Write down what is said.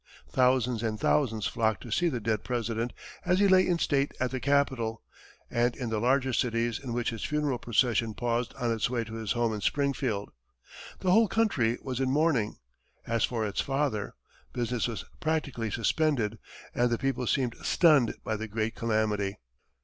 Thousands and thousands flocked to see the dead President as he lay in state at the Capitol, and in the larger cities in which his funeral procession paused on its way to his home in Springfield. The whole country was in mourning, as for its father; business was practically suspended, and the people seemed stunned by the great calamity.